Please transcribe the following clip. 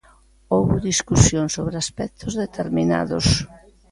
Houbo discusión sobre aspectos determinados.